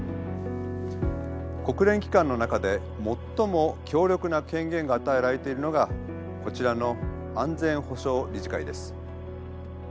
国連機関の中で最も強力な権限が与えられているのがこちらの安全保障理事会です。